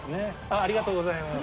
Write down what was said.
ありがとうございます。